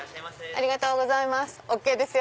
ありがとうございます。